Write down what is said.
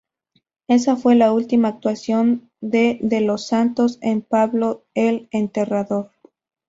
Esa fue la última actuación de De los Santos en Pablo el Enterrador.